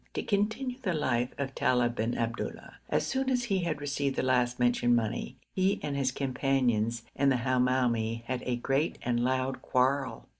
To continue the life of Talib bin Abdullah. As soon as he had received the last mentioned money, he and his companions and the Hamoumi had a great and loud quarrel.